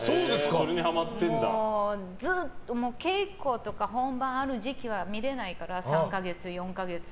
稽古とか本番ある時期は見れないから３か月、４か月。